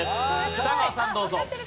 北川さんどうぞ。